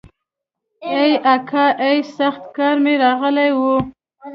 ای اکا ای سخت قار مې راغلی و.